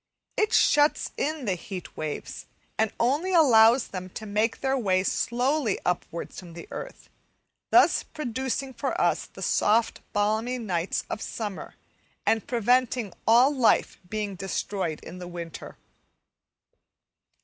It shuts in the heat waves, and only allows them to make their way slowly upwards from the earth thus producing for us the soft, balmy nights of summer and preventing all life being destroyed in the winter.